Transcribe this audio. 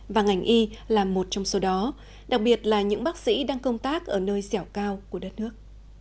và ngành y là một trong số đó đặc biệt là những bác sĩ đang công tác ở nơi xẻo cao của đất nước